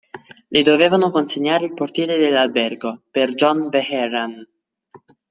Le dovevano consegnare al portiere dell'albergo, per John Vehrehan.